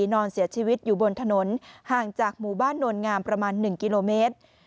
นอนเสียชีวิตอยู่บนถนนห่างจากหมู่บ้านโนลงามประมาณ๑กิโลเมตร